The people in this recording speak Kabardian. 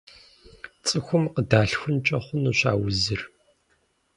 ЦӀыхум къыдалъхункӀэ хъунущ а узыр.